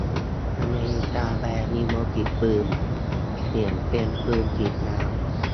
อเมริกาแบนอิโมจิปืน เปลี่ยนเป็นปืนฉีดน้ำ